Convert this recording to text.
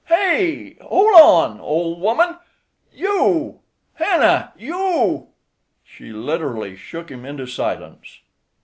Hey! hole on! ole woman!—you! Hannah!—you." She literally shook him into silence.